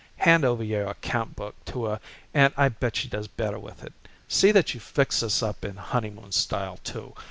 Hand over your account book to her and I bet she does better with it. See that you fix us up in honeymoon style, too.